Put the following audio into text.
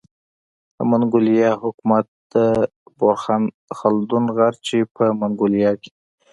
د منګولیا حکومت د بورخان خلدون غر چي په منګولیا کي